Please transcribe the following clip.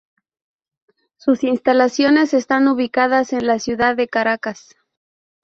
Sus instalaciones están ubicadas en la ciudad de Caracas.